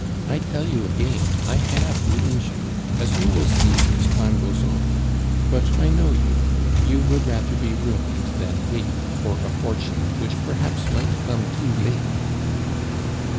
"I tell you again, I have ruined you, as you will see as time goes on; but I know you, you would rather be ruined than wait for a fortune which perhaps might come too late."